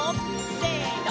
せの！